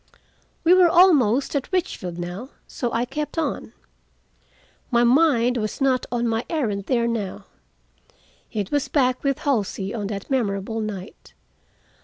We were almost at Richfield now, so I kept on. My mind was not on my errand there now. It was back with Halsey on that memorable night.